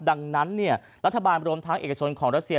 ดังนั้นรัฐบาลรวมทางเอกชนของรัสเซีย